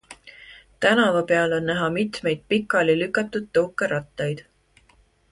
Tänava peal on näha mitmeid pikali lükatud tõukerattaid.